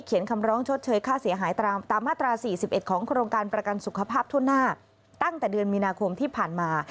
คำร้องชดเชยค่าเสียหายตามมาตรา๔๑ของโครงการประกันสุขภาพทั่วหน้าตั้งแต่เดือนมีนาคมที่ผ่านมา